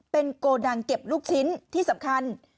เป็นโกดังเก็บลูกชิ้นที่สำคัญ